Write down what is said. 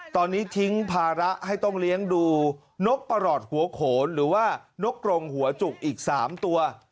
ตอนนี้ทิ้งภาระให้ต้องเลี้ยงดูนกประหลอดหัวโขนหรือว่านกกรงหัวจุกอีก๓ตัว